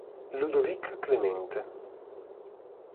Ludovic Clemente